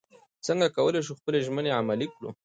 څنګه کولی شو خپلې ژمنې عملي کړو؟